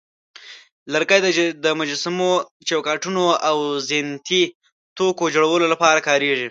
لرګي د مجسمو، چوکاټونو، او زینتي توکو جوړولو لپاره کارېږي.